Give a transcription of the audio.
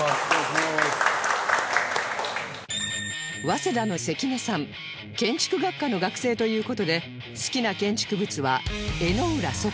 早稲田の関根さん建築学科の学生という事で好きな建築物は江之浦測候所